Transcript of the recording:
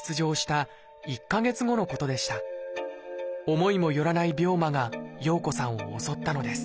思いもよらない病魔が洋子さんを襲ったのです。